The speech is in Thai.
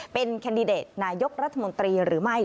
เป็นแคนดิเดตนายกรัฐมนตรีหรือไม่